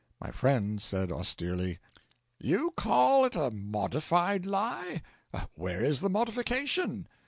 My friend said, austerely: 'You call it a modified lie? Where is the modification?'